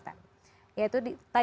ya itu tadi